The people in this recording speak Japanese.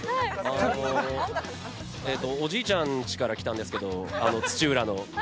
おじいちゃんちから来たんですけど、土浦の。